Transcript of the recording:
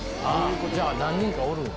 じゃあ何人かおるんや。